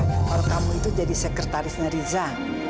kalau kamu itu jadi sekretarisnya riza